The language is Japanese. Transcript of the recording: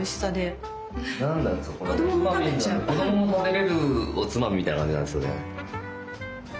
子どもも食べれるおつまみみたいな感じなんですよね。